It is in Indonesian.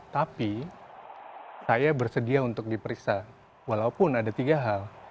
tapi saya bersedia untuk diperiksa walaupun ada tiga hal